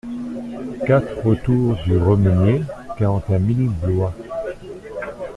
quatre retour du Remenier, quarante et un mille Blois